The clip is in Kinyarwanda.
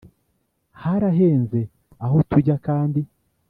haraharenze aho tujya kandi